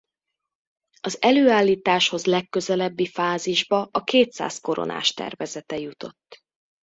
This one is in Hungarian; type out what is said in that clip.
Az előállításhoz legközelebbi fázisba a kétszáz koronás tervezete jutott.